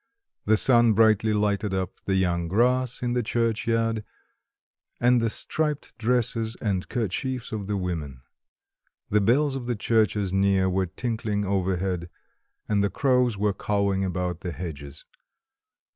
The sun brightly lighted up the young grass in the church yard, and the striped dresses and kerchiefs of the women; the bells of the churches near were tinkling overhead; and the crows were cawing about the hedges.